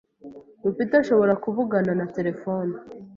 Rupita ashobora kuvugana na terefone.